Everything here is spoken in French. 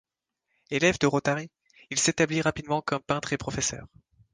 Élève de Rotari, il s'établit rapidement comme peintre et professeur.